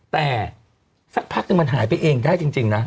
แต่สักพักนึงมันหายไปเองได้จริงนะ